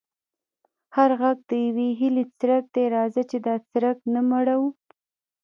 هر غږ د یوې هیلې څرک دی، راځه چې دا څرک نه مړوو.